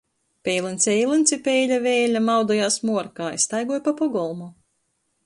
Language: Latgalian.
Peilyns Eilyns i peile Veile maudojās muorkā i staigoj pa pogolmu.